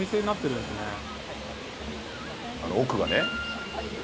あの奥がね。